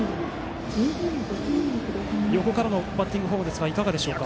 横からのバッティングフォームですがいかがですか。